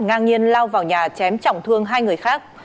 ngang nhiên lao vào nhà chém trọng thương hai người khác